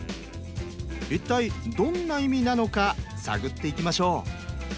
一体どんな意味なのか探っていきましょう。